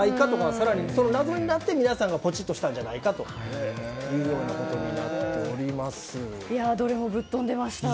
更に、その謎になって皆さんがポチったんじゃないかどれもぶっとんでました。